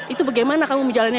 itu bagaimana kamu menjalannya